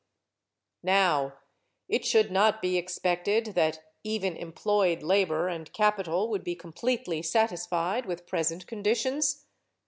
Now it should not be expected that even employed labor and capital would be completely satisfied with present conditions.